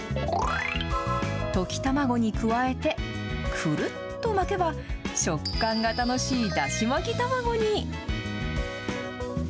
溶き卵に加えてくるっと巻けば、食感が楽しいだし巻き卵に。